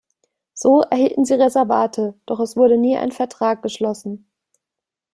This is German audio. So erhielten sie Reservate, doch es wurde nie ein Vertrag geschlossen.